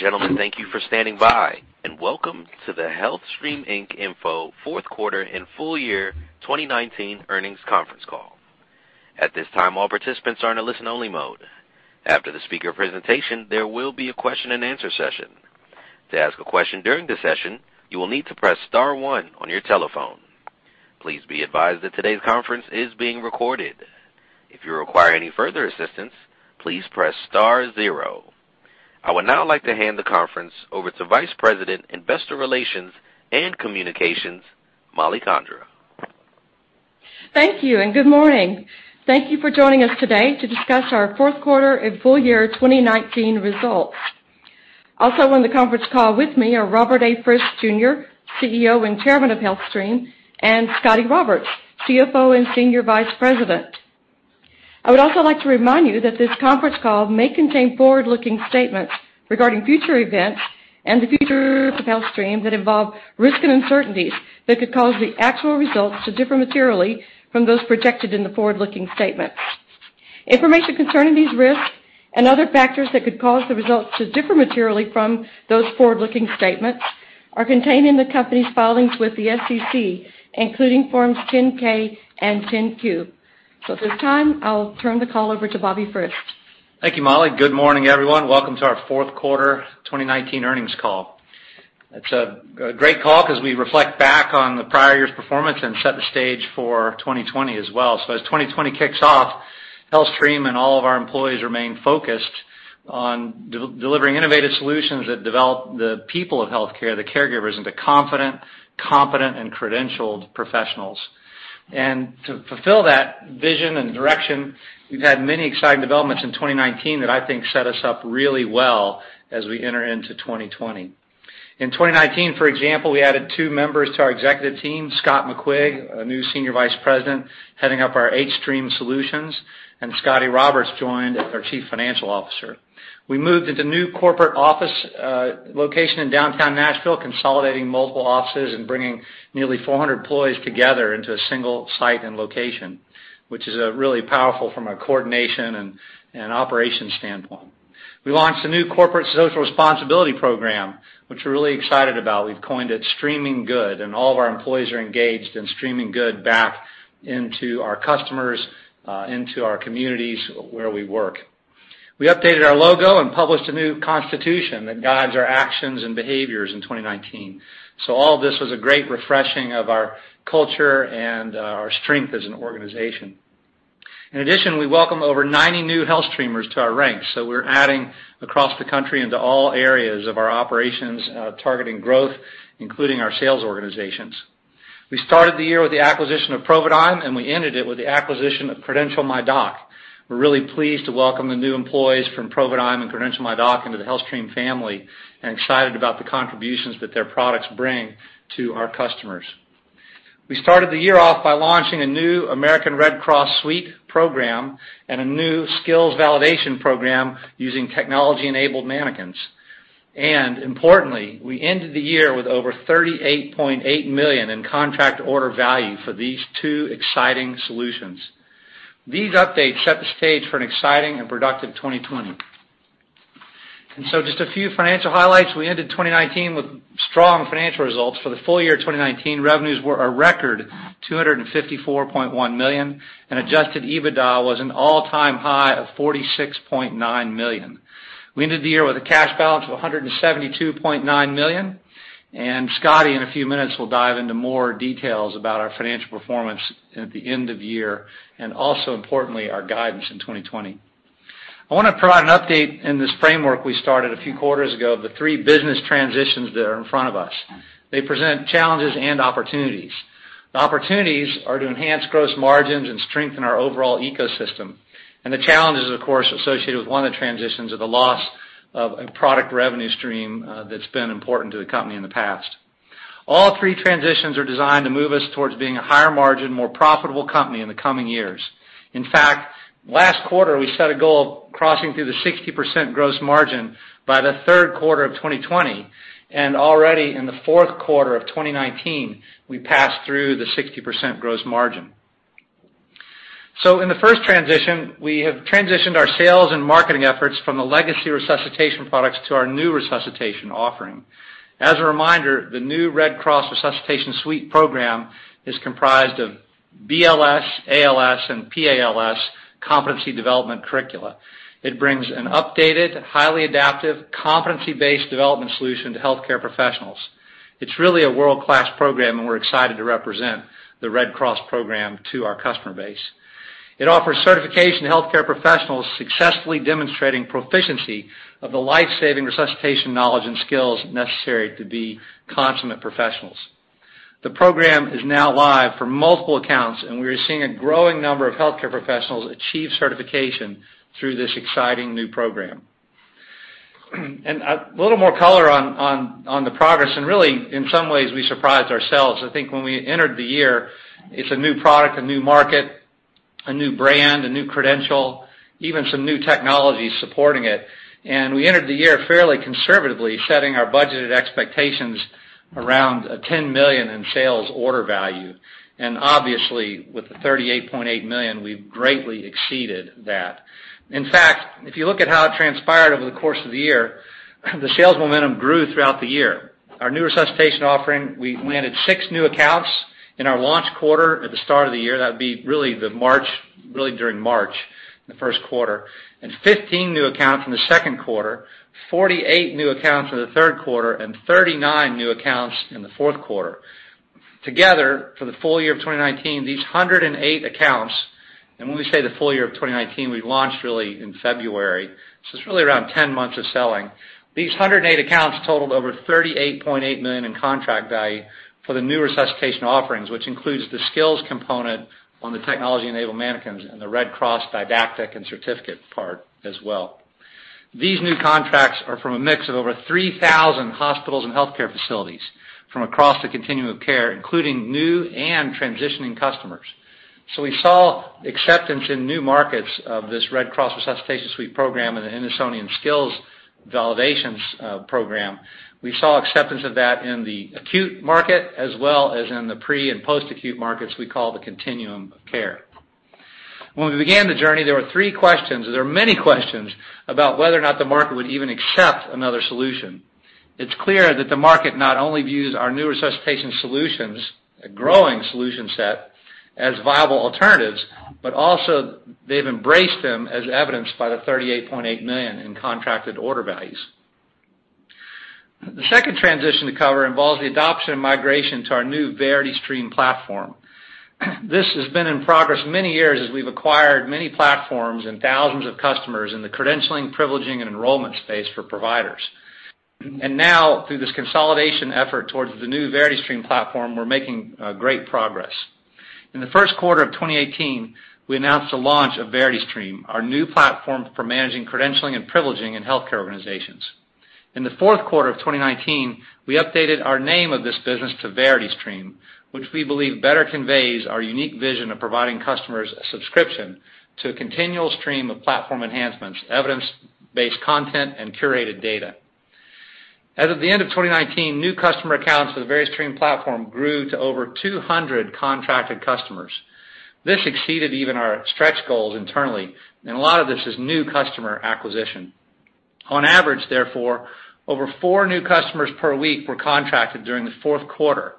Ladies and gentlemen, thank you for standing by and welcome to the HealthStream, Inc. Info fourth quarter and full year 2019 earnings conference call. At this time, all participants are in a listen-only mode. After the speaker presentation, there will be a question and answer session. To ask a question during the session, you will need to press star one on your telephone. Please be advised that today's conference is being recorded. If you require any further assistance, please press star zero. I would now like to hand the conference over to Vice President, Investor Relations and Communications, Mollie Condra. Thank you, and good morning. Thank you for joining us today to discuss our fourth quarter and full year 2019 results. Also on the conference call with me are Robert A. Frist, Jr., CEO and Chairman of HealthStream, and Scotty Roberts, CFO and Senior Vice President. I would also like to remind you that this conference call may contain forward-looking statements regarding future events and the future of HealthStream that involve risks and uncertainties that could cause the actual results to differ materially from those projected in the forward-looking statements. Information concerning these risks and other factors that could cause the results to differ materially from those forward-looking statements are contained in the company's filings with the SEC, including Forms 10-K and 10-Q. At this time, I'll turn the call over to Bobby Frist. Thank you, Mollie. Good morning, everyone. Welcome to our fourth quarter 2019 earnings call. It's a great call because we reflect back on the prior year's performance and set the stage for 2020 as well. As 2020 kicks off, HealthStream and all of our employees remain focused on delivering innovative solutions that develop the people of healthcare, the caregivers, into confident, competent, and credentialed professionals. To fulfill that vision and direction, we've had many exciting developments in 2019 that I think set us up really well as we enter into 2020. In 2019, for example, we added two members to our executive team, Scott McQuigg, a new Senior Vice President heading up our hStream Solutions, and Scotty Roberts joined as our Chief Financial Officer. We moved into a new corporate office location in downtown Nashville, consolidating multiple offices and bringing nearly 400 employees together into a single site and location, which is really powerful from a coordination and operations standpoint. We launched a new corporate social responsibility program, which we're really excited about. We've coined it Streaming Good, and all of our employees are engaged in Streaming Good back into our customers, into our communities where we work. We updated our logo and published a new constitution that guides our actions and behaviors in 2019. All of this was a great refreshing of our culture and our strength as an organization. In addition, we welcome over 90 new HealthStreamers to our ranks, so we're adding across the country into all areas of our operations, targeting growth, including our sales organizations. We started the year with the acquisition of Providigm, and we ended it with the acquisition of CredentialMyDoc. We are really pleased to welcome the new employees from Providigm and CredentialMyDoc into the HealthStream family and excited about the contributions that their products bring to our customers. We started the year off by launching a new American Red Cross suite program and a new skills validation program using technology-enabled mannequins. Importantly, we ended the year with over $38.8 million in contract order value for these two exciting solutions. These updates set the stage for an exciting and productive 2020. Just a few financial highlights. We ended 2019 with strong financial results. For the full year 2019, revenues were a record $254.1 million, and adjusted EBITDA was an all-time high of $46.9 million. We ended the year with a cash balance of $172.9 million, and Scotty, in a few minutes, will dive into more details about our financial performance at the end of the year, and also importantly, our guidance in 2020. I want to provide an update in this framework we started a few quarters ago of the three business transitions that are in front of us. They present challenges and opportunities. The opportunities are to enhance gross margins and strengthen our overall ecosystem, and the challenges, of course, associated with one of the transitions are the loss of a product revenue stream that's been important to the company in the past. All three transitions are designed to move us towards being a higher margin, more profitable company in the coming years. In fact, last quarter, we set a goal of crossing through the 60% gross margin by the third quarter of 2020, and already in the fourth quarter of 2019, we passed through the 60% gross margin. In the first transition, we have transitioned our sales and marketing efforts from the legacy resuscitation products to our new resuscitation offering. As a reminder, the new American Red Cross Resuscitation Suite program is comprised of BLS, ALS, and PALS competency development curricula. It brings an updated, highly adaptive, competency-based development solution to healthcare professionals. It's really a world-class program, and we're excited to represent the American Red Cross program to our customer base. It offers certification to healthcare professionals successfully demonstrating proficiency of the life-saving resuscitation knowledge and skills necessary to be consummate professionals. The program is now live for multiple accounts. We are seeing a growing number of healthcare professionals achieve certification through this exciting new program. A little more color on the progress, and really, in some ways, we surprised ourselves. I think when we entered the year, it's a new product, a new market, a new brand, a new credential, even some new technologies supporting it, and we entered the year fairly conservatively, setting our budgeted expectations around $10 million in sales order value. Obviously, with the $38.8 million, we've greatly exceeded that. In fact, if you look at how it transpired over the course of the year, the sales momentum grew throughout the year. Our new Resuscitation offering, we landed six new accounts in our launch quarter at the start of the year. That would be really during March, the first quarter, and 15 new accounts in the second quarter, 48 new accounts in the third quarter, and 39 new accounts in the fourth quarter. Together, for the full year of 2019, these 108 accounts, and when we say the full year of 2019, we launched really in February, so it's really around 10 months of selling. These 108 accounts totalled over $38.8 million in contract value for the new resuscitation offerings, which includes the skills component on the technology-enabled mannequins and the Red Cross didactic and certificate part as well. These new contracts are from a mix of over 3,000 hospitals and healthcare facilities from across the continuum of care, including new and transitioning customers. We saw acceptance in new markets of this Red Cross Resuscitation Suite program and the Innosonian Skills Validations program. We saw acceptance of that in the acute market, as well as in the pre- and post-acute markets we call the continuum of care. When we began the journey, there were three questions, there were many questions about whether or not the market would even accept another solution. It's clear that the market not only views our new resuscitation solutions, a growing solution set, as viable alternatives, but also they've embraced them as evidenced by the $38.8 million in contracted order values. The second transition to cover involves the adoption and migration to our new VerityStream platform. This has been in progress many years as we've acquired many platforms and thousands of customers in the credentialing, privileging, and enrollment space for providers. Now, through this consolidation effort towards the new VerityStream platform, we're making great progress. In the first quarter of 2018, we announced the launch of VerityStream, our new platform for managing credentialing and privileging in healthcare organizations. In the fourth quarter of 2019, we updated our name of this business to VerityStream, which we believe better conveys our unique vision of providing customers a subscription to a continual stream of platform enhancements, evidence-based content, and curated data. As of the end of 2019, new customer accounts for the VerityStream platform grew to over 200 contracted customers. This exceeded even our stretch goals internally and a lot of this is new customer acquisition. On average, therefore, over four new customers per week were contracted during the fourth quarter.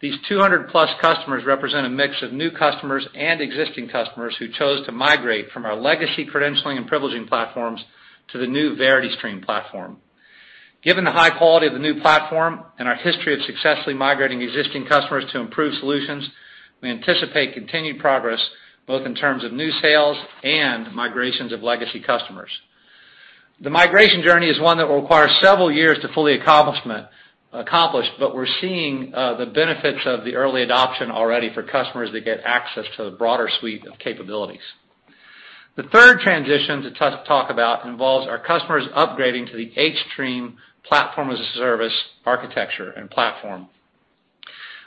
These 200-plus customers represent a mix of new customers and existing customers who chose to migrate from our legacy credentialing and privileging platforms to the new VerityStream platform. Given the high quality of the new platform and our history of successfully migrating existing customers to improved solutions, we anticipate continued progress both in terms of new sales and migrations of legacy customers. The migration journey is one that will require several years to fully accomplish, but we're seeing the benefits of the early adoption already for customers that get access to the broader suite of capabilities. The third transition to talk about involves our customers upgrading to the hStream platform-as-a-service architecture and platform.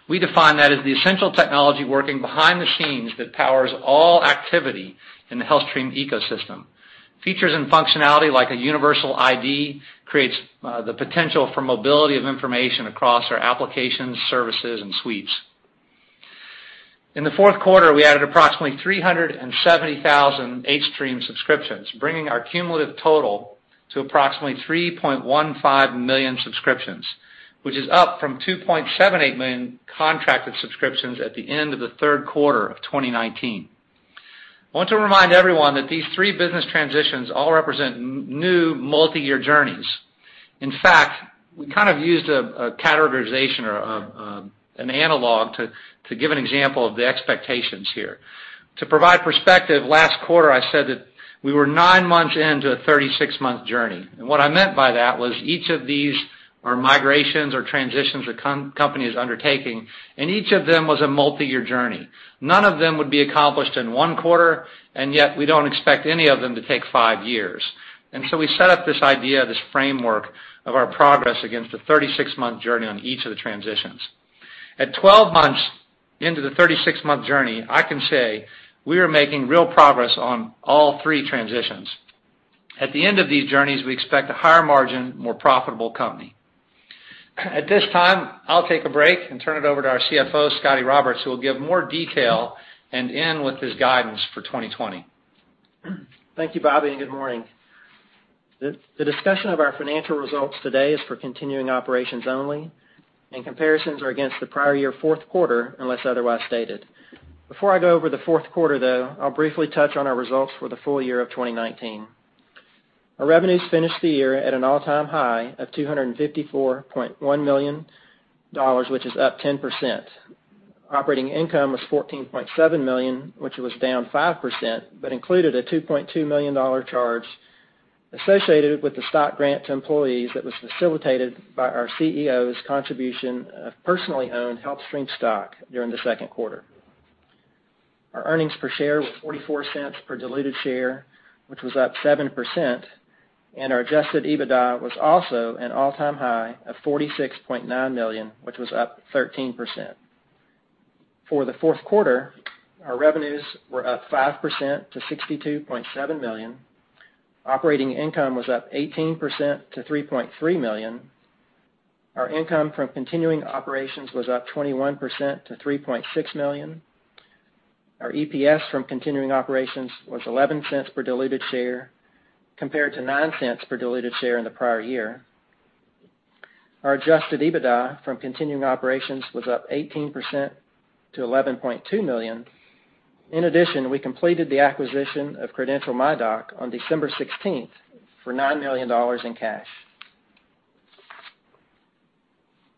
We define that as the essential technology working behind the scenes that powers all activity in the HealthStream ecosystem. Features and functionality like a universal ID creates the potential for mobility of information across our applications, services, and suites. In the fourth quarter, we added approximately 370,000 hStream subscriptions, bringing our cumulative total to approximately 3.15 million subscriptions, which is up from 2.78 million contracted subscriptions at the end of the third quarter of 2019. I want to remind everyone that these three business transitions all represent new multi-year journeys. In fact, we kind of used a categorization or an analogue to give an example of the expectations here. To provide perspective, last quarter, I said that we were nine months into a 36-month journey. What I meant by that was each of these are migrations or transitions the company is undertaking, and each of them was a multi-year journey. None of them would be accomplished in one quarter, and yet we don't expect any of them to take five years. We set up this idea, this framework of our progress against a 36-month journey on each of the transitions. At 12 months into the 36-month journey, I can say we are making real progress on all three transitions. At the end of these journeys, we expect a higher margin, more profitable company. At this time, I'll take a break and turn it over to our CFO, Scotty Roberts, who will give more detail and end with his guidance for 2020. Thank you, Bobby, and good morning. The discussion of our financial results today is for continuing operations only, and comparisons are against the prior year fourth quarter, unless otherwise stated. Before I go over the fourth quarter, though, I'll briefly touch on our results for the full year of 2019. Our revenues finished the year at an all-time high of $254.1 million, which is up 10%. Operating income was $14.7 million, which was down 5%, but included a $2.2 million charge associated with the stock grant to employees that was facilitated by our CEO's contribution of personally owned HealthStream stock during the second quarter. Our earnings per share was $0.44 per diluted share, which was up 7%, and our adjusted EBITDA was also an all-time high of $46.9 million, which was up 13%. For the fourth quarter, our revenues were up 5% to $62.7 million. Operating income was up 18% to $3.3 million. Our income from continuing operations was up 21% to $3.6 million. Our EPS from continuing operations was $0.11 per diluted share, compared to $0.09 per diluted share in the prior year. Our adjusted EBITDA from continuing operations was up 18% to $11.2 million. In addition, we completed the acquisition of CredentialMyDoc on December 16th for $9 million in cash.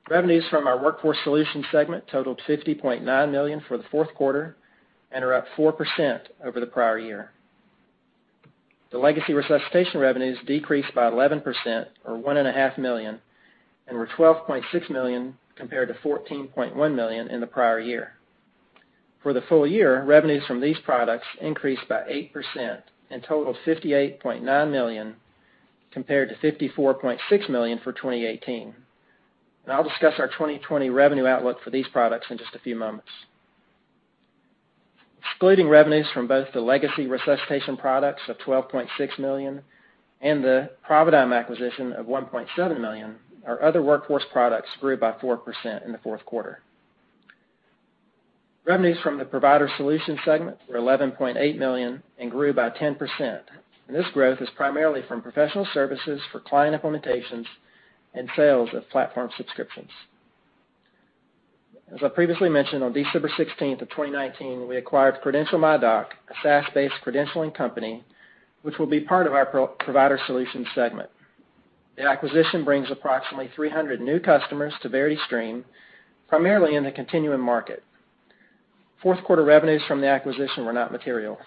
Revenues from our Workforce Solutions segment totalled $50.9 million for the fourth quarter and are up 4% over the prior year. The legacy resuscitation revenues decreased by 11%, or $1.5 million, and were $12.6 million compared to $14.1 million in the prior year. For the full year, revenues from these products increased by 8% and totalled $58.9 million, compared to $54.6 million for 2018. I'll discuss our 2020 revenue outlook for these products in just a few moments. Excluding revenues from both the legacy resuscitation products of $12.6 million and the Providigm acquisition of $1.7 million, our other workforce products grew by 4% in the fourth quarter. Revenues from the Provider Solutions segment were $11.8 million and grew by 10%. This growth is primarily from professional services for client implementations and sales of platform subscriptions. As I previously mentioned, on December 16th of 2019, we acquired CredentialMyDoc, a SaaS-based credentialing company, which will be part of our Provider Solutions segment. The acquisition brings approximately 300 new customers to VerityStream, primarily in the continuing market. Fourth quarter revenues from the acquisition were not material.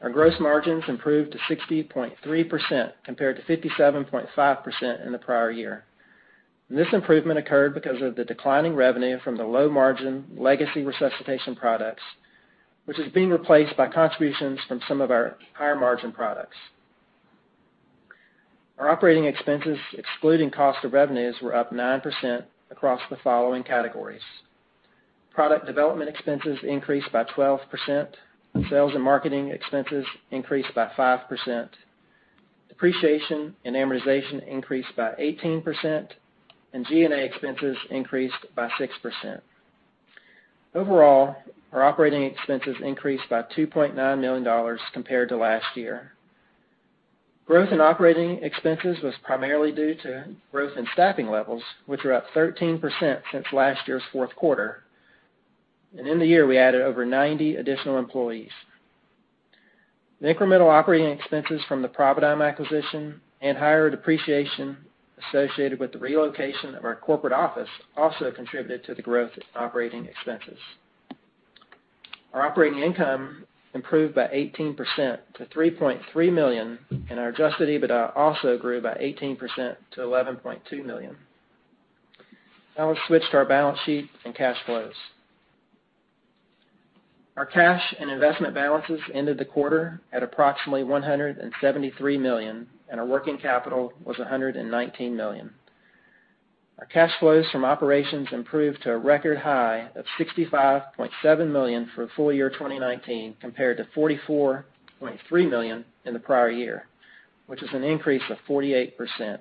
Our gross margins improved to 60.3%, compared to 57.5% in the prior year. This improvement occurred because of the declining revenue from the low-margin legacy resuscitation products, which is being replaced by contributions from some of our higher-margin products. Our operating expenses, excluding cost of revenues, were up 9% across the following categories. Product development expenses increased by 12%, sales and marketing expenses increased by 5%. Depreciation and amortization increased by 18%, G&A expenses increased by 6%. Overall, our operating expenses increased by $2.9 million compared to last year. Growth in operating expenses was primarily due to growth in staffing levels, which are up 13% since last year's fourth quarter. In the year, we added over 90 additional employees. The incremental operating expenses from the Providigm acquisition and higher depreciation associated with the relocation of our corporate office also contributed to the growth in operating expenses. Our operating income improved by 18% to $3.3 million, and our adjusted EBITDA also grew by 18% to $11.2 million. Let's switch to our balance sheet and cash flows. Our cash and investment balances ended the quarter at approximately $173 million, and our working capital was $119 million. Our cash flows from operations improved to a record high of $65.7 million for full year 2019, compared to $44.3 million in the prior year, which is an increase of 48%.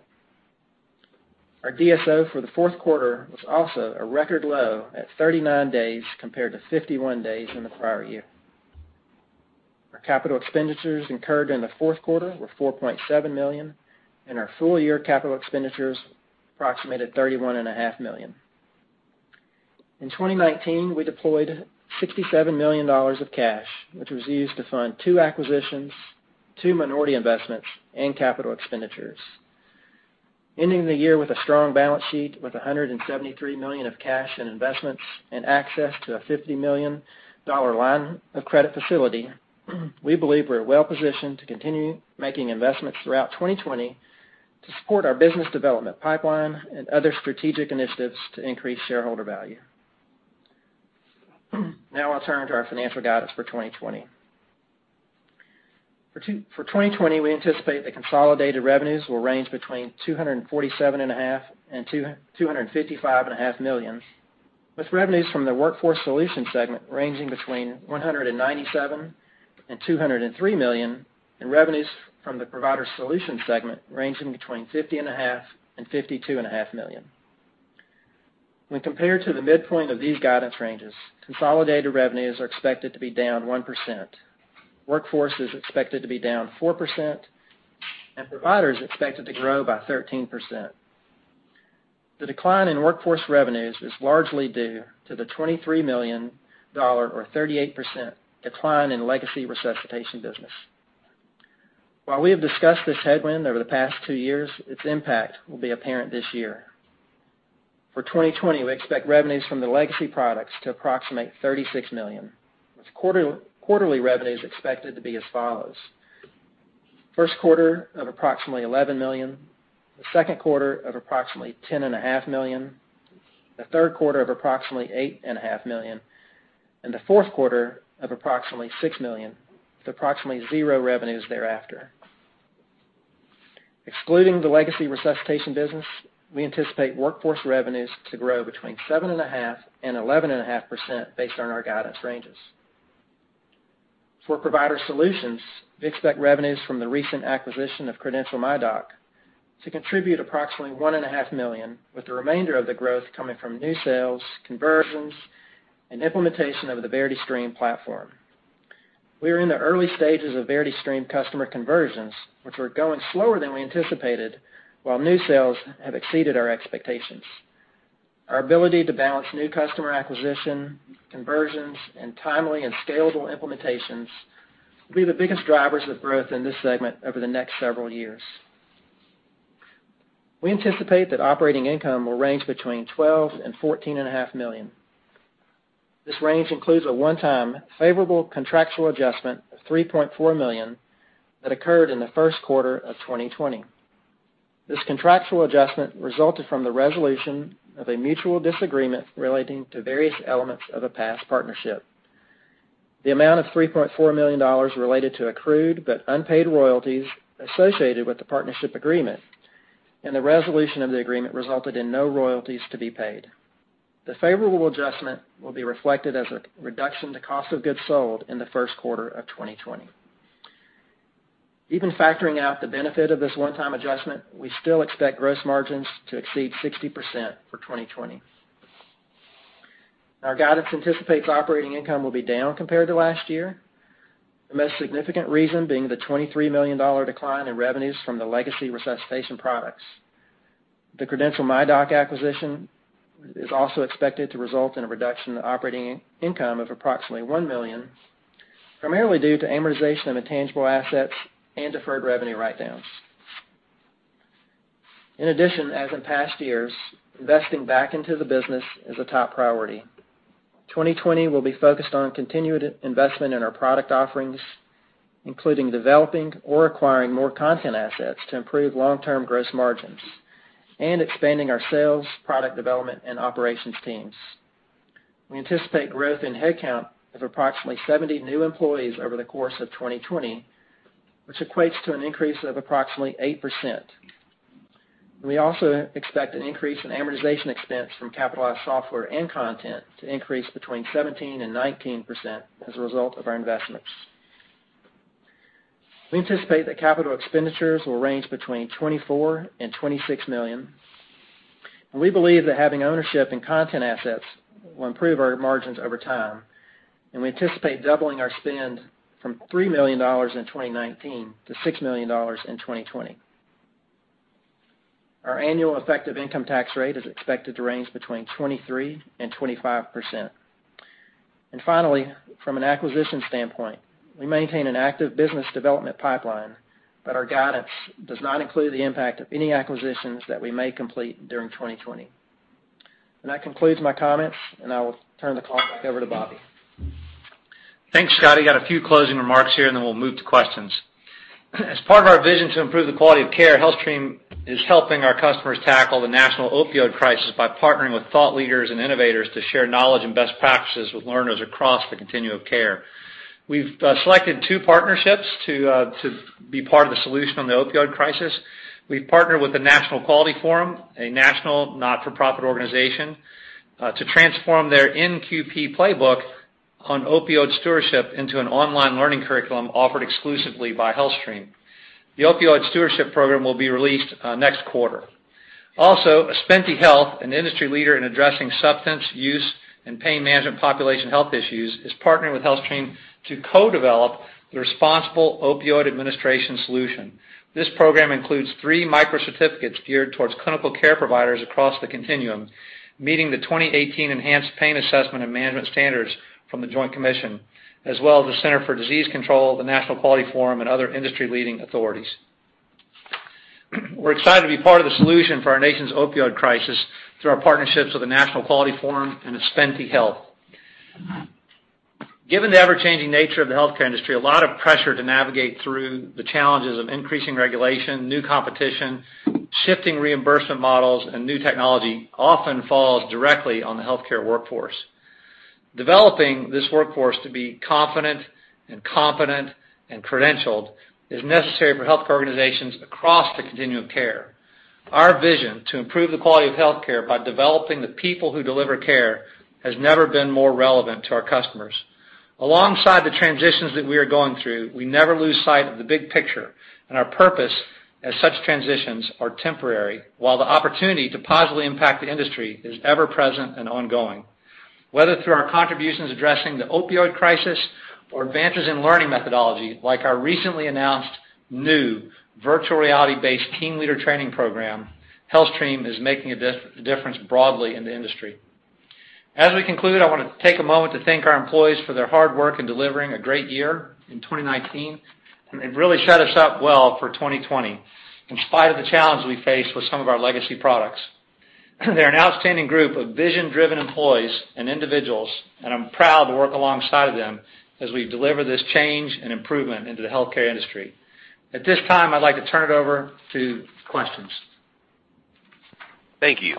Our DSO for the fourth quarter was also a record low at 39 days compared to 51 days in the prior year. Our capital expenditures incurred in the fourth quarter were $4.7 million, and our full-year capital expenditures approximated $31.5 million. In 2019, we deployed $67 million of cash, which was used to fund two acquisitions, two minority investments, and capital expenditures. Ending the year with a strong balance sheet with $173 million of cash and investments and access to a $50 million line-of-credit facility, we believe we're well positioned to continue making investments throughout 2020 to support our business development pipeline and other strategic initiatives to increase shareholder value. Now I'll turn to our financial guidance for 2020. For 2020, we anticipate the consolidated revenues will range between $247.5 million-$255.5 million, with revenues from the Workforce Solutions segment ranging between $197 million-$203 million, and revenues from the Provider Solutions segment ranging between $50.5 million-$52.5 million. When compared to the midpoint of these guidance ranges, consolidated revenues are expected to be down 1%. Workforce is expected to be down 4%, and Provider is expected to grow by 13%. The decline in Workforce revenues is largely due to the $23 million, or 38%, decline in legacy resuscitation business. While we have discussed this headwind over the past two years, its impact will be apparent this year. For 2020, we expect revenues from the legacy products to approximate $36 million, with quarterly revenues expected to be as follows. First quarter of approximately $11 million, the second quarter of approximately $10.5 million, the third quarter of approximately $8.5 million, and the fourth quarter of approximately $6 million, with approximately zero revenues thereafter. Excluding the legacy resuscitation business, we anticipate workforce revenues to grow between 7.5% and 11.5% based on our guidance ranges. For Provider Solutions, we expect revenues from the recent acquisition of CredentialMyDoc to contribute approximately $1.5 million, with the remainder of the growth coming from new sales, conversions, and implementation of the VerityStream platform. We are in the early stages of VerityStream customer conversions, which are going slower than we anticipated, while new sales have exceeded our expectations. Our ability to balance new customer acquisition, conversions, and timely and scalable implementations will be the biggest drivers of growth in this segment over the next several years. We anticipate that operating income will range between $12 million and $14.5 million. This range includes a one-time favourable contractual adjustment of $3.4 million that occurred in the first quarter of 2020. This contractual adjustment resulted from the resolution of a mutual disagreement relating to various elements of a past partnership. The amount of $3.4 million related to accrued but unpaid royalties associated with the partnership agreement, and the resolution of the agreement resulted in no royalties to be paid. The favourable adjustment will be reflected as a reduction in the cost of goods sold in the first quarter of 2020. Even factoring out the benefit of this one-time adjustment, we still expect gross margins to exceed 60% for 2020. Our guidance anticipates operating income will be down compared to last year, the most significant reason being the $23 million decline in revenues from the legacy resuscitation products. The CredentialMyDoc acquisition is also expected to result in a reduction in operating income of approximately $1 million, primarily due to amortization of intangible assets and deferred revenue write-downs. In addition, as in past years, investing back into the business is a top priority. 2020 will be focused on continued investment in our product offerings, including developing or acquiring more content assets to improve long-term gross margins and expanding our sales, product development, and operations teams. We anticipate growth in headcount of approximately 70 new employees over the course of 2020, which equates to an increase of approximately 8%. We also expect an increase in amortization expense from capitalized software and content to increase between 17% and 19% as a result of our investments. We anticipate that capital expenditures will range between $24 million and $26 million, and we believe that having ownership in content assets will improve our margins over time. We anticipate doubling our spend from $3 million in 2019 to $6 million in 2020. Our annual effective income tax rate is expected to range between 23% and 25%. Finally, from an acquisition standpoint, we maintain an active business development pipeline, but our guidance does not include the impact of any acquisitions that we may complete during 2020. That concludes my comments, and I will turn the call back over to Bobby. Thanks, Scott. I got a few closing remarks here, then we'll move to questions. As part of our vision to improve the quality of care, HealthStream is helping our customers tackle the national opioid crisis by partnering with thought leaders and innovators to share knowledge and best practices with learners across the continuum of care. We've selected two partnerships to be part of the solution on the opioid crisis. We've partnered with the National Quality Forum, a national not-for-profit organization, to transform their NQF playbook on Opioid Stewardship into an online learning curriculum offered exclusively by HealthStream. The Opioid Stewardship Program will be released next quarter. Also, Aspenti Health, an industry leader in addressing substance use and pain management population health issues, is partnering with HealthStream to co-develop the Responsible Opioid Administration Solution. This program includes three micro-certificates geared towards clinical care providers across the continuum, meeting the 2018 Enhanced Pain Assessment and Management Standards from The Joint Commission, as well as the Centers for Disease Control and Prevention, the National Quality Forum, and other industry-leading authorities. We're excited to be part of the solution for our nation's opioid crisis through our partnerships with the National Quality Forum and Aspenti Health. Given the ever-changing nature of the healthcare industry, a lot of pressure to navigate through the challenges of increasing regulation, new competition, shifting reimbursement models, and new technology often falls directly on the healthcare workforce. Developing this workforce to be confident and competent and credentialed is necessary for healthcare organizations across the continuum of care. Our vision to improve the quality of healthcare by developing the people who deliver care has never been more relevant to our customers. Alongside the transitions that we are going through, we never lose sight of the big picture and our purpose as such transitions are temporary, while the opportunity to positively impact the industry is ever present and ongoing. Whether through our contributions addressing the opioid crisis or advances in learning methodology, like our recently announced new virtual reality-based team leader training program, HealthStream is making a difference broadly in the industry. As we conclude, I want to take a moment to thank our employees for their hard work in delivering a great year in 2019, and they've really set us up well for 2020, in spite of the challenges we face with some of our legacy products. They're an outstanding group of vision-driven employees and individuals, and I'm proud to work alongside of them as we deliver this change and improvement into the healthcare industry. At this time, I'd like to turn it over to questions. Thank you.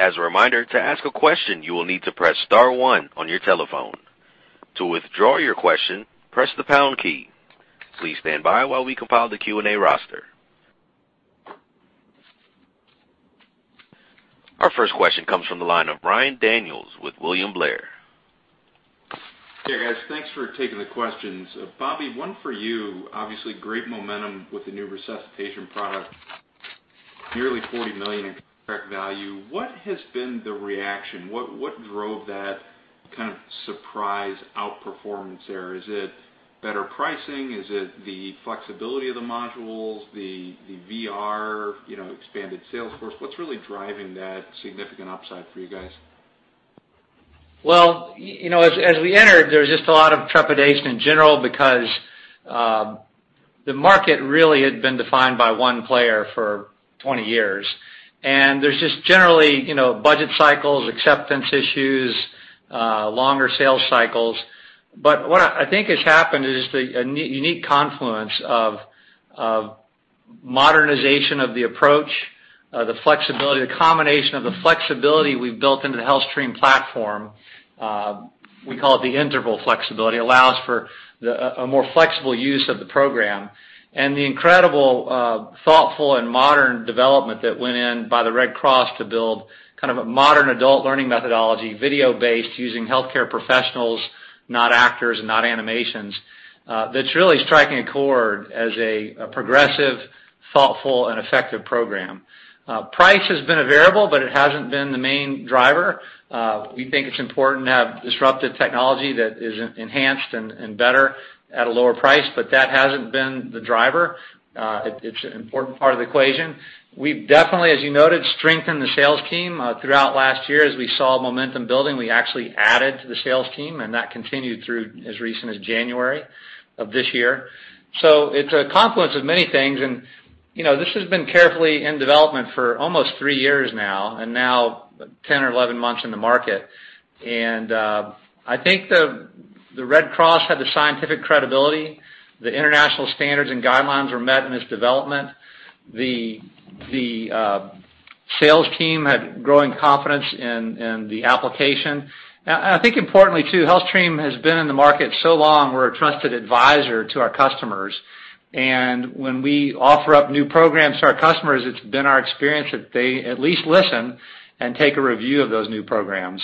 As a reminder, to ask a question, you will need to press star one on your telephone. To withdraw your question, press the pound key. Please stand by while we compile the Q&A roster. Our first question comes from the line of Ryan Daniels with William Blair. Hey, guys. Thanks for taking the questions. Bobby, one for you, obviously great momentum with the new resuscitation product, nearly $40 million in contract value. What has been the reaction? What drove that kind of surprise outperformance there? Is it better pricing? Is it the flexibility of the modules, the VR, expanded sales force? What's really driving that significant upside for you guys? As we entered, there was just a lot of trepidation in general because the market really had been defined by one player for 20 years, and there's just generally budget cycles, acceptance issues, longer sales cycles. What I think has happened is the unique confluence of modernization of the approach, the flexibility, the combination of the flexibility we've built into the HealthStream platform, we call it the interval flexibility, allows for a more flexible use of the program. The incredible, thoughtful, and modern development that went in by the Red Cross to build kind of a modern adult learning methodology, video-based using healthcare professionals, not actors, and not animations, that's really striking a chord as a progressive, thoughtful, and effective program. Price has been a variable, but it hasn't been the main driver. We think it's important to have disruptive technology that is enhanced and better at a lower price, but that hasn't been the driver. It's an important part of the equation. We've definitely, as you noted, strengthened the sales team throughout last year. As we saw momentum building, we actually added to the sales team, and that continued through as recent as January of this year. It's a confluence of many things, and this has been carefully in development for almost three years now, and now 10 or 11 months in the market. I think the Red Cross had the scientific credibility, the international standards and guidelines were met in its development. The sales team had growing confidence in the application. I think importantly, too, HealthStream has been in the market so long, we're a trusted advisor to our customers. When we offer up new programs to our customers, it's been our experience that they at least listen and take a review of those new programs.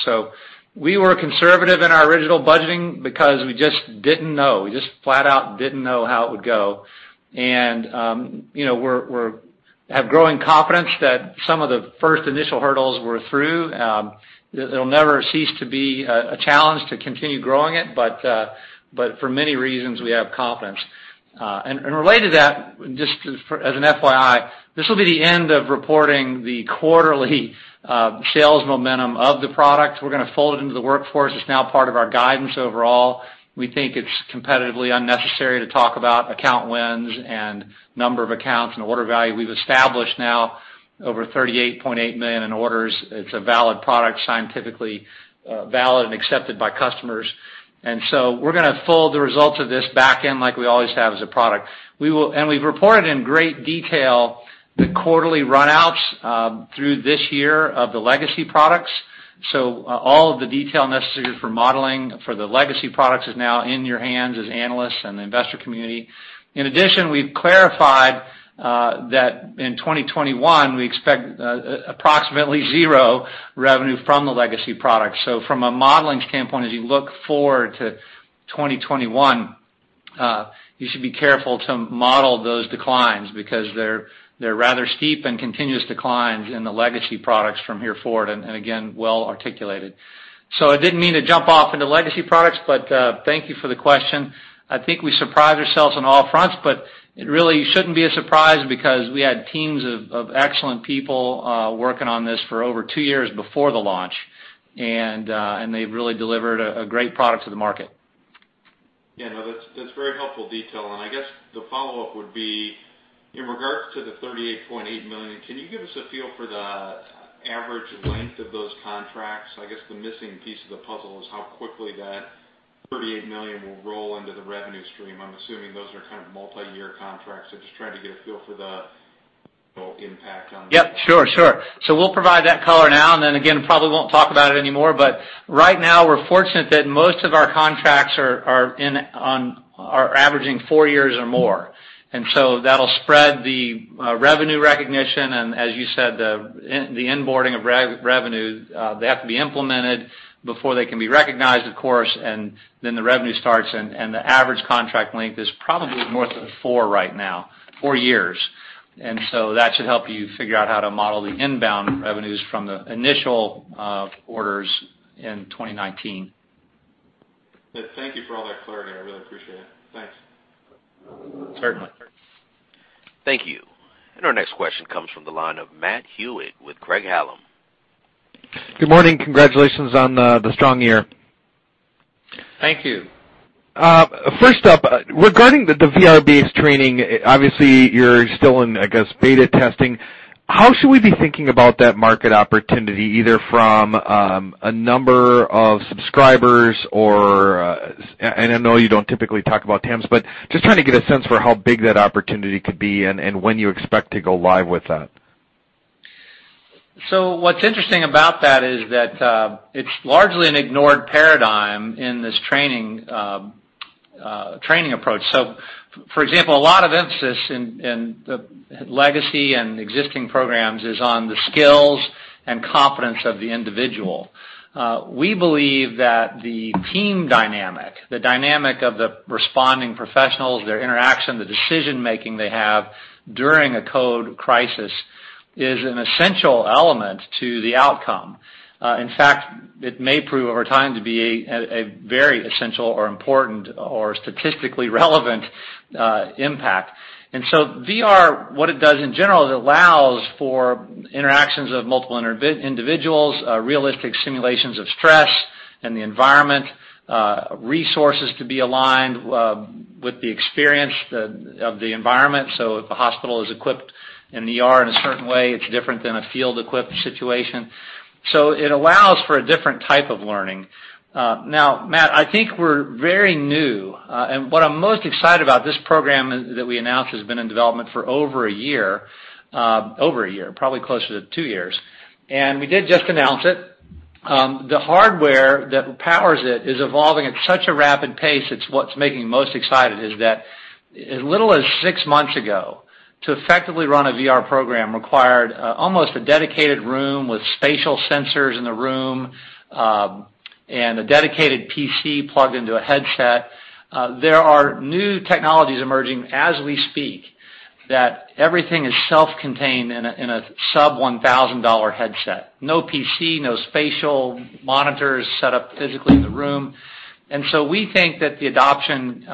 We were conservative in our original budgeting because we just didn't know. We just flat out didn't know how it would go, and we have growing confidence that some of the first initial hurdles we're through. It'll never cease to be a challenge to continue growing it, but for many reasons, we have confidence. Related to that, just as an FYI, this will be the end of reporting the quarterly sales momentum of the product. We're going to fold it into the Workforce. It's now part of our guidance overall. We think it's competitively unnecessary to talk about account wins and number of accounts and order value. We've established now over $38.8 million in orders. It's a valid product, scientifically valid and accepted by customers. We're going to fold the results of this back in like we always have as a product. We've reported in great detail the quarterly runouts through this year of the legacy products. All of the detail necessary for modelling for the legacy products is now in your hands as analysts and the investor community. In addition, we've clarified that in 2021, we expect approximately zero revenue from the legacy product. From a modelling standpoint, as you look forward to 2021, you should be careful to model those declines because they're rather steep and continuous declines in the legacy products from here forward, and again, well articulated. I didn't mean to jump off into legacy products, but thank you for the question. I think we surprised ourselves on all fronts, but it really shouldn't be a surprise because we had teams of excellent people working on this for over two years before the launch, and they've really delivered a great product to the market. Yeah, that's very helpful detail, and I guess the follow-up would be in regards to the $38.8 million, can you give us a feel for the average length of those contracts? I guess the missing piece of the puzzle is how quickly that $38 million will roll into the revenue stream. I'm assuming those are kind of multi-year contracts. I'm just trying to get a feel for the whole impact on. Yep, sure. We'll provide that color now and then again, probably won't talk about it anymore, but right now we're fortunate that most of our contracts are averaging four years or more. That'll spread the revenue recognition and as you said, the onboarding of revenue, they have to be implemented before they can be recognized, of course, and then the revenue starts, and the average contract length is probably more than four right now, four years. That should help you figure out how to model the inbound revenues from the initial orders in 2019. Thank you for all that clarity. I really appreciate it. Thanks. Certainly. Thank you. Our next question comes from the line of Matt Hewitt with Craig-Hallum. Good morning. Congratulations on the strong year. Thank you. First up, regarding the VR-based training, obviously you're still in, I guess, beta testing. How should we be thinking about that market opportunity, either from a number of subscribers or, and I know you don't typically talk about TAMs, but just trying to get a sense for how big that opportunity could be and when you expect to go live with that? What's interesting about that is that it's largely an ignored paradigm in this training approach. For example, a lot of emphasis in legacy and existing programs is on the skills and competence of the individual. We believe that the team dynamic, the dynamic of the responding professionals, their interaction, the decision-making they have during a code crisis is an essential element to the outcome. In fact, it may prove over time to be a very essential or important or statistically relevant impact. VR, what it does in general, is it allows for interactions of multiple individuals, realistic simulations of stress and the environment, resources to be aligned with the experience of the environment. If a hospital is equipped in the ER in a certain way, it's different than a field-equipped situation. It allows for a different type of learning. Now, Matt, I think we're very new. What I'm most excited about this program that we announced has been in development for over a year, probably closer to two years, and we did just announce it. The hardware that powers it is evolving at such a rapid pace. It's what's making me most excited is that as little as six months ago, to effectively run a VR program required almost a dedicated room with spatial sensors in the room, and a dedicated PC plugged into a headset. There are new technologies emerging as we speak that everything is self-contained in a sub-$1,000 headset. No PC, no spatial monitors set up physically in the room. We think that the adoption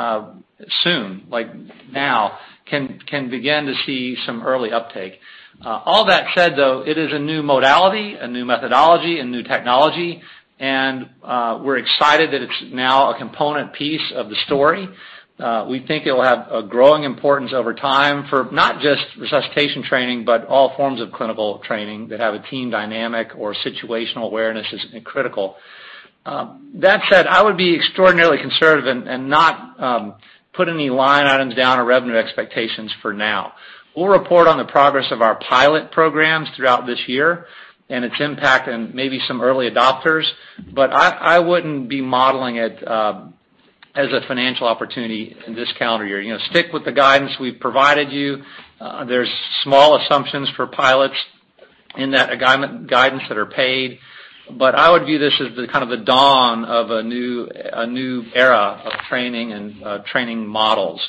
soon, like now, can begin to see some early uptake. All that said, it is a new modality, a new methodology, a new technology, and we're excited that it's now a component piece of the story. We think it'll have a growing importance over time for not just resuscitation training, but all forms of clinical training that have a team dynamic or situational awareness is critical. That said, I would be extraordinarily conservative and not put any line items down or revenue expectations for now. We'll report on the progress of our pilot programs throughout this year and its impact on maybe some early adopters, I wouldn't be modelling it as a financial opportunity in this calendar year. Stick with the guidance we've provided you. There's small assumptions for pilots in that guidance that are paid. I would view this as the kind of the dawn of a new era of training and training models,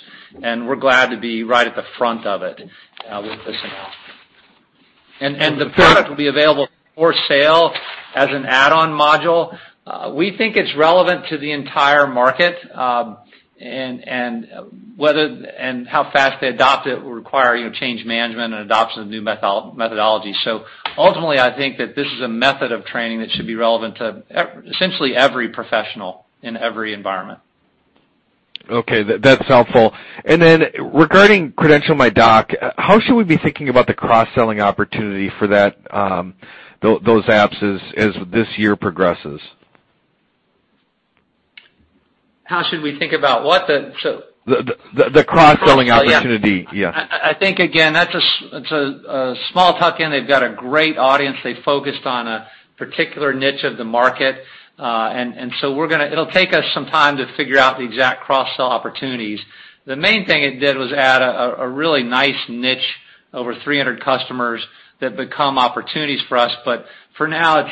and we're glad to be right at the front of it with this announcement. The product will be available for sale as an add-on module. We think it's relevant to the entire market, and how fast they adopt it will require change management and adoption of new methodology. Ultimately, I think that this is a method of training that should be relevant to essentially every professional in every environment. Okay, that's helpful. Regarding CredentialMyDoc, how should we be thinking about the cross-selling opportunity for those apps as this year progresses? How should we think about? The cross-selling opportunity. Yeah. I think, again, that's a small tuck-in. They've got a great audience. They focused on a particular niche of the market. It'll take us some time to figure out the exact cross-sell opportunities. The main thing it did was add a really nice niche, over 300 customers that become opportunities for us, but for now,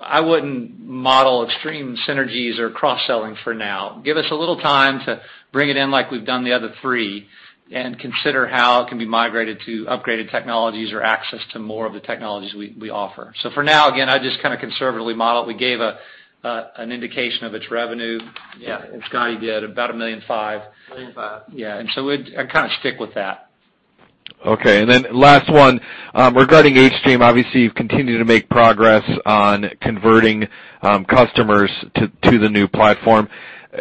I wouldn't model extreme synergies or cross-selling for now. Give us a little time to bring it in like we've done the other three, and consider how it can be migrated to upgraded technologies or access to more of the technologies we offer. For now, again, I just kind of conservatively model it. We gave an indication of its revenue. Yeah. Scott, you did about $1.5 million. $1.5 million. Yeah. I'd kind of stick with that. Okay. Last one, regarding HealthStream, obviously, you've continued to make progress on converting customers to the new platform.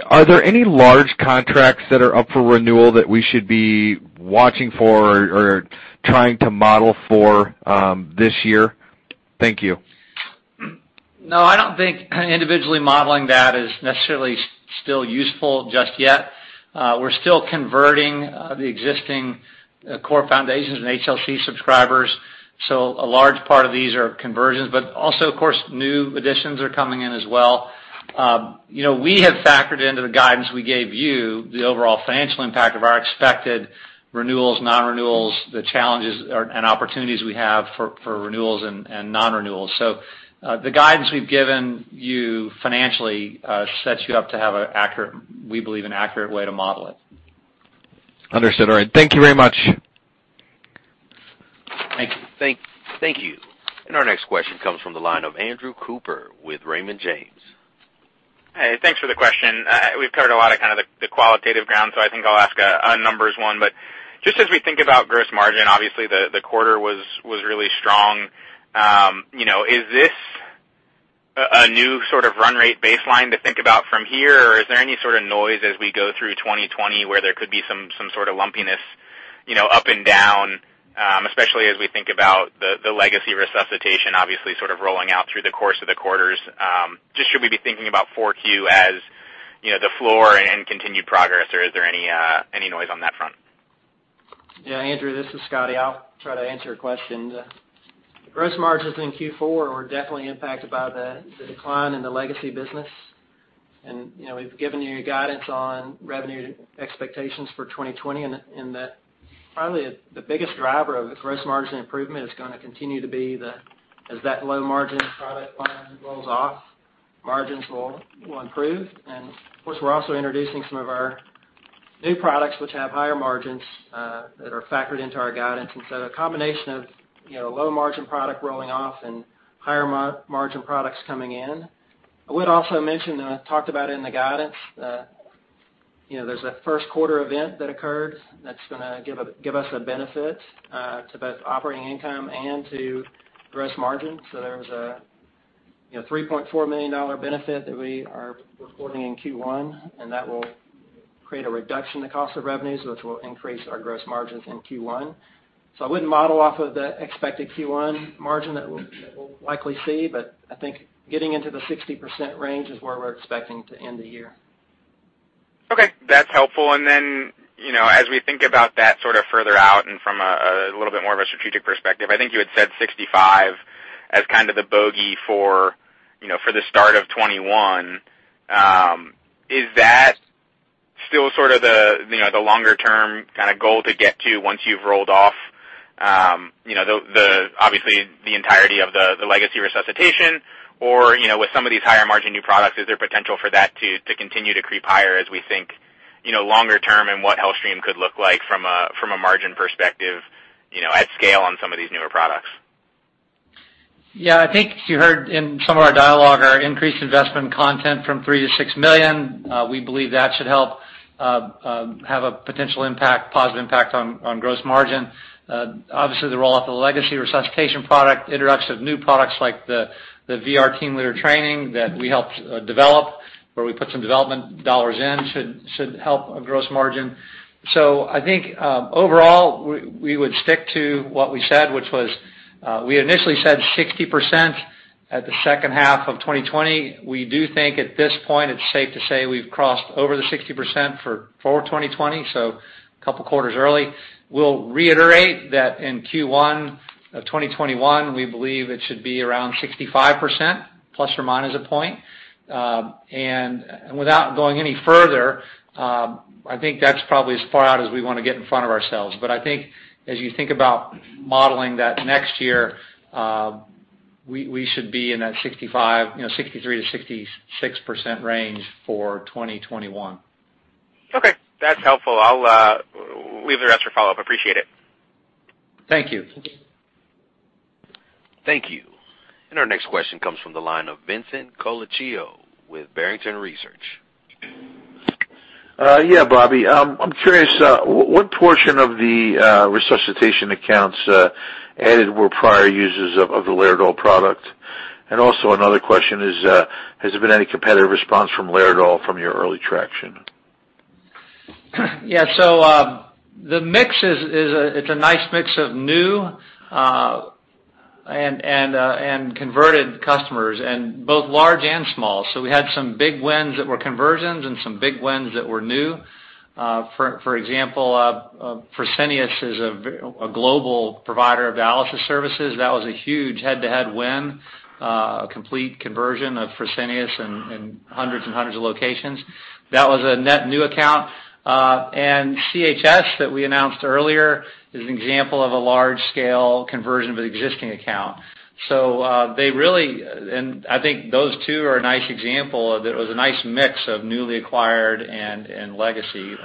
Are there any large contracts that are up for renewal that we should be watching for or trying to model for this year? Thank you. I don't think individually modelling that is necessarily still useful just yet. We're still converting the existing core foundations and HLC subscribers. A large part of these are conversions, but also, of course, new additions are coming in as well. We have factored into the guidance we gave you the overall financial impact of our expected renewals, non-renewals, the challenges and opportunities we have for renewals and non-renewals. The guidance we've given you financially sets you up to have, we believe, an accurate way to model it. Understood. All right. Thank you very much. Thank you. Thank you. Our next question comes from the line of Andrew Cooper with Raymond James. Hey, thanks for the question. We've covered a lot of the qualitative ground, so I think I'll ask a numbers one. Just as we think about gross margin, obviously the quarter was really strong. Is this a new sort of run rate baseline to think about from here? Is there any sort of noise as we go through 2020 where there could be some sort of lumpiness up and down, especially as we think about the legacy resuscitation, obviously sort of rolling out through the course of the quarters? Just should we be thinking about 4Q as the floor and continued progress, or is there any noise on that front? Yeah, Andrew, this is Scottie. I'll try to answer your question. The gross margins in Q4 were definitely impacted by the decline in the legacy business. We've given you guidance on revenue expectations for 2020, that probably the biggest driver of gross margin improvement is going to continue to be as that low margin product finally rolls off, margins will improve. Of course, we're also introducing some of our new products, which have higher margins, that are factored into our guidance. A combination of low margin product rolling off and higher margin products coming in. I would also mention, and I talked about it in the guidance, there's a first quarter event that occurred that's going to give us a benefit to both operating income and to gross margin. There was a $3.4 million benefit that we are reporting in Q1, and that will create a reduction in the cost of revenues, which will increase our gross margins in Q1. I wouldn't model off of the expected Q1 margin that we'll likely see, but I think getting into the 60% range is where we're expecting to end the year. Okay. That's helpful. As we think about that sort of further out and from a little bit more of a strategic perspective, I think you had said 65 as kind of the bogey for the start of 2021. Is that still sort of the longer term kind of goal to get to once you've rolled off obviously the entirety of the legacy resuscitation or, with some of these higher margin new products, is there potential for that to continue to creep higher as we think longer term and what HealthStream could look like from a margin perspective, at scale on some of these newer products? Yeah, I think you heard in some of our dialogue our increased investment content from $3 million to $6 million. We believe that should help have a potential impact, positive impact, on gross margin. Obviously the roll off of the legacy resuscitation product, introduction of new products like the VR Team Leader Training that we helped develop, where we put some development dollars in, should help gross margin. I think, overall, we would stick to what we said, which was, we initially said 60% at the second half of 2020. We do think at this point it's safe to say we've crossed over the 60% for 2020, so a couple of quarters early. We'll reiterate that in Q1 of 2021, we believe it should be around 65% ± a point. Without going any further, I think that's probably as far out as we want to get in front of ourselves. I think as you think about modelling that next year, we should be in that 65, 63%-66% range for 2021. Okay. That's helpful. I'll leave the rest for follow-up. Appreciate it. Thank you. Thank you. Our next question comes from the line of Vincent Colicchio with Barrington Research. Yeah, Bobby. I'm curious, what portion of the resuscitation accounts added were prior users of the Laerdal product? Another question is, has there been any competitive response from Laerdal from your early traction? The mix is a nice mix of new and converted customers, and both large and small. We had some big wins that were conversions and some big wins that were new. For example, Fresenius is a global provider of dialysis services. That was a huge head-to-head win, a complete conversion of Fresenius and hundreds and hundreds of locations. That was a net new account. CHS, that we announced earlier, is an example of a large-scale conversion of an existing account. They really, and I think those two are a nice example of, it was a nice mix of newly acquired and legacy.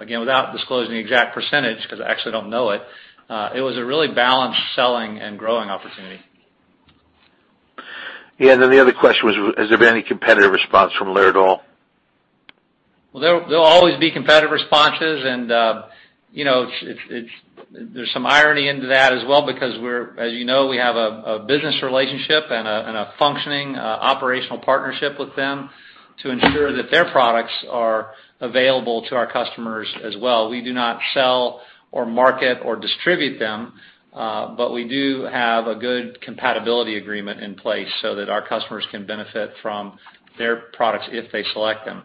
Again, without disclosing the exact percentage, because I actually don't know it was a really balanced selling and growing opportunity. Yeah, the other question was, has there been any competitive response from Laerdal? There'll always be competitive responses and there's some irony into that as well because as you know, we have a business relationship and a functioning operational partnership with them to ensure that their products are available to our customers as well. We do not sell or market or distribute them, we do have a good compatibility agreement in place so that our customers can benefit from their products if they select them.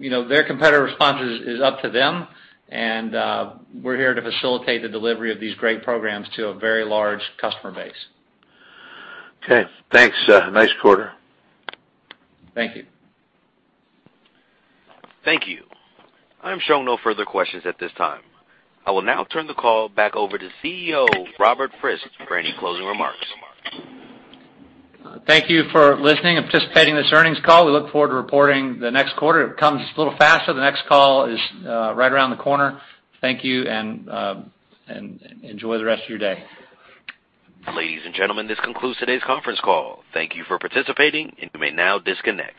Their competitive response is up to them and we're here to facilitate the delivery of these great programs to a very large customer base. Okay. Thanks. Nice quarter. Thank you. Thank you. I'm showing no further questions at this time. I will now turn the call back over to CEO Robert Frist for any closing remarks. Thank you for listening and participating in this earnings call. We look forward to reporting the next quarter. It comes a little faster. The next call is right around the corner. Thank you and enjoy the rest of your day. Ladies and gentlemen, this concludes today's conference call. Thank you for participating, and you may now disconnect.